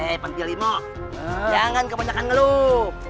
hei panty limo jangan kebanyakan ngeluh